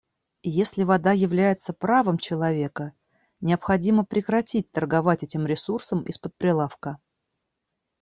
Если вода является правом человека, необходимо прекратить торговать этим ресурсом из-под прилавка.